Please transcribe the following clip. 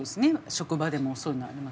職場でもそういうのあります。